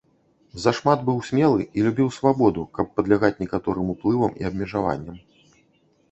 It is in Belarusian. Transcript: Зашмат быў смелы і любіў свабоду, каб падлягаць некаторым уплывам і абмежаванням.